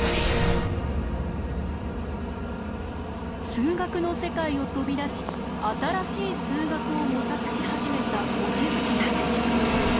数学の世界を飛び出し新しい数学を模索し始めた望月博士。